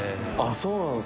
そうなんです。